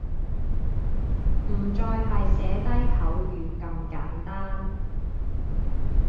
唔再係寫低口語咁簡單